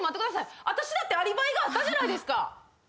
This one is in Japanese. あたしだってアリバイがあったじゃないですか！